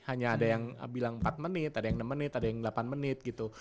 hanya ada yang bilang empat menit ada yang enam menit ada yang delapan menit gitu